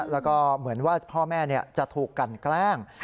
แล้วก็เหมือนว่าพ่อแม่จะถูกกันแกล้ง